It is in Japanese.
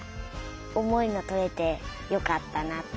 おもいのとれてよかったな。